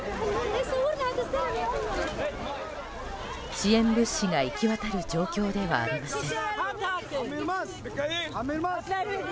支援物資がいきわたる状況ではありません。